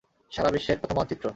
সারাবিশ্বের প্রথম মানচিত্র।